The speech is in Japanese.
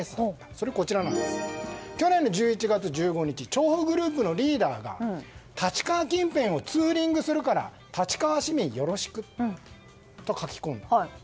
それが、去年の１１月１５日調布グループのリーダーが立川近辺をツーリングするから立川市民よろしくと書き込んだ。